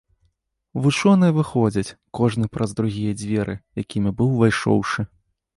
Вучоныя выходзяць, кожны праз другія дзверы, якімі быў увайшоўшы.